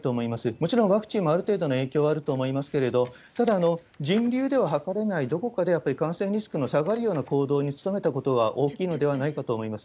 もちろんワクチンもある程度の影響はあると思いますけれども、ただ、人流では測れないどこかでやっぱり感染リスクの下がるような行動に努めたことは大きいのではないかと思います。